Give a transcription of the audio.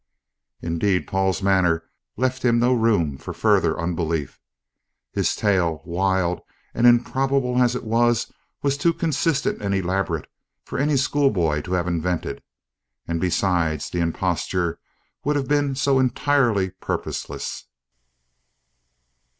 Indeed, Paul's manner left him no room for further unbelief. His tale, wild and improbable as it was, was too consistent and elaborate for any schoolboy to have invented, and, besides, the imposture would have been so entirely purposeless.